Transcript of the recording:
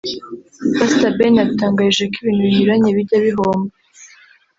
Pastor Ben yadutangarije ko ibintu binyuranye bijya bihomba